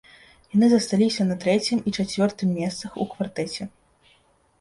Яны засталіся на трэцім і чацвёртым месцах у квартэце.